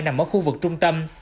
nằm ở khu vực trung tâm